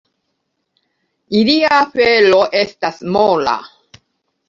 Ilia felo estas mola.